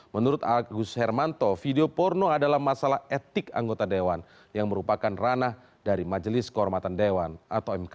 menurut agus hermanto video porno adalah masalah etik anggota dewan yang merupakan ranah dari majelis kehormatan dewan atau mk